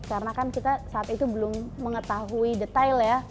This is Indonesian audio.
karena kan kita saat itu belum mengetahui detail ya